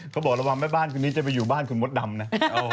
เขาบอกระวังแม่บ้านคนนี้จะไปอยู่บ้านคุณมดดำนะ